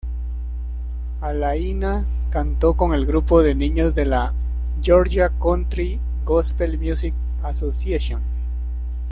Alaina cantó con el grupo de niños de la "Georgia Country Gospel Music Association".